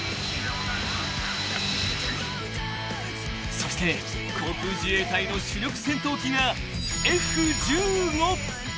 ［そして航空自衛隊の主力戦闘機が］